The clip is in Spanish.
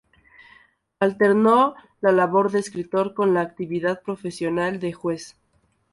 Alternó la labor de escritor con la actividad profesional de juez.